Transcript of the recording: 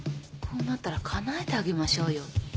こうなったらかなえてあげましょうよ。